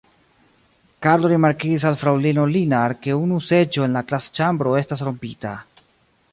Karlo rimarkigis al Fraŭlino Linar, ke unu seĝo en la klasĉambro estas rompita.